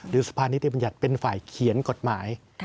ศิษย์สภาณิบนิจจัตริย์เป็นฝ่ายเขียนกฎหมาย